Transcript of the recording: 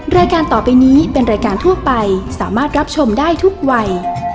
รายการต่อไปนี้เป็นรายการทั่วไปสามารถรับชมได้ทุกวัย